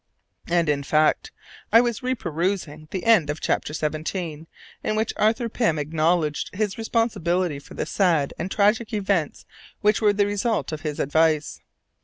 And, in fact, I was re perusing the end of Chapter XVII., in which Arthur Pym acknowledged his responsibility for the sad and tragic events which were the results of his advice.